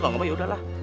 kalau gak mau yaudah lah